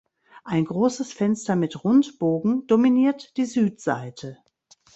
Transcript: Ein großes Fenster mit Rundbogen dominiert die Südseite.